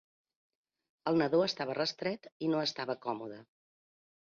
El nadó estava restret i no estava còmode.